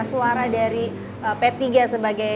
suara dari p tiga sebagai